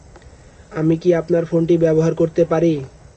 আমি কি আপনার ফোনটি ব্যবহার করতে পারি?